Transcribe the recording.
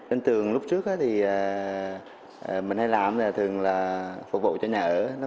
nên tường lúc trước thì mình hay làm là thường là phục vụ cho nhà ở